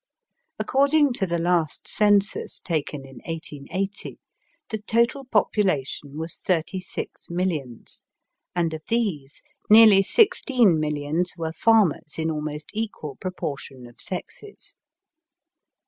According to the last census, taken in 1880, the total population was thirty six millions, and of these nearly sixteen millions were farmers in almost equal proportion of sexes.